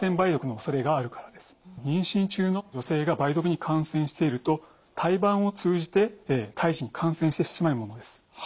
妊娠中の女性が梅毒に感染していると胎盤を通じて胎児に感染してしまうものです。